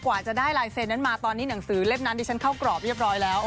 กว่าจะได้ลายเซ็นนั้นมาตอนนี้หนังสือเล่มนั้นดิฉันเข้ากรอบเรียบร้อยแล้ว